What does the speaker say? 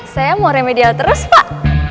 saya mau remedial terus pak